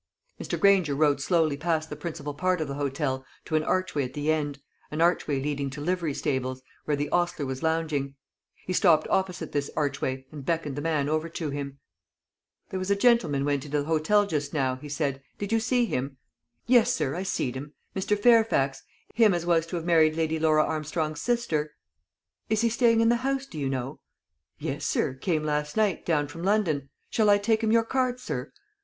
Mr. Granger rode slowly past the principal part of the hotel to an archway at the end an archway leading to livery stables, where the ostler was lounging. He stopped opposite this archway, and beckoned the man over to him. "There was a gentleman went into the hotel just now," he said; "did you see him?" "Yes, sir, I seed him. Mr. Fairfax; him as was to have married Lady Laura Armstrong's sister." "Is he staying in the house, do you know?" "Yes, sir; came last night, down from London. Shall I take him your card, sir?"